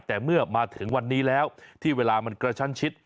แต่เมื่อมาถึงวันนี้แล้วที่เวลามันกระชั้นชิด